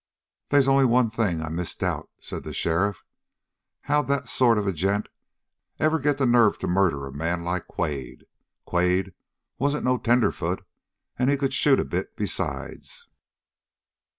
"They's only one thing I misdoubt," said the sheriff. "How'd that sort of a gent ever get the nerve to murder a man like Quade? Quade wasn't no tenderfoot, and he could shoot a bit, besides."